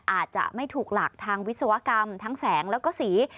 อาจจะไม่ถูกหลักทางวิศวกรรมทั้งแสงแล้วก็สี